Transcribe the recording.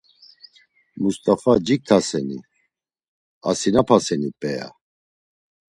“Must̆afa ciktaseni? Asinapaseni p̌ea?”